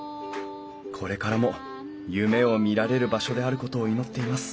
これからも夢を見られる場所であることを祈っています